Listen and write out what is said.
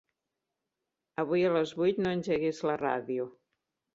Avui a les vuit no engeguis la ràdio.